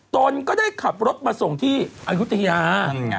ตนก็ได้ขับรถมาส่งที่อายุทยา